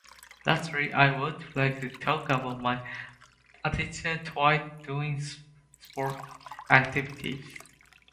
Lastly, I would like to talk about my attitude towards doing sports activities.